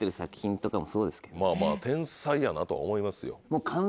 まぁまぁ天才やなとは思いますよ。